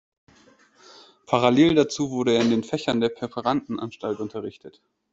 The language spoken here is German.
Parallel dazu wurde er in den Fächern der Präparandenanstalt unterrichtet.